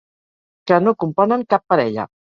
Que no componen cap parella.